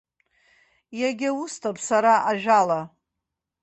Иагьа усҭап сара ажәала.